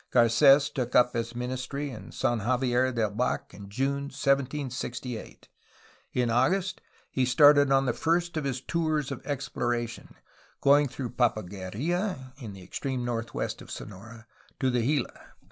Garc^s took up his ministry at San Javier del Bac in June 1768. In August, he started on the first of his tours of exploration, going through Papaguerla (in the extreme northwest of Sonora) to the Gila.